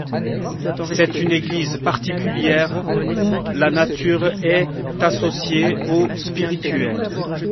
C´est une église particulière où la nature est associée au spirituel.